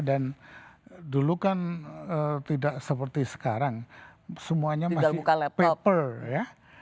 dan dulu kan tidak seperti sekarang semuanya masih paper ya